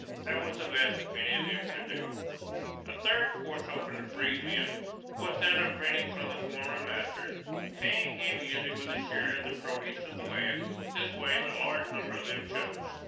That was the best that many of them could do. A third course open to freedmen was that of renting from the former master, paying him usually with a share of the produce of the land. This way a large number of them chose.